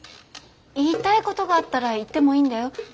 言いたいことがあったら言ってもいいんだよ。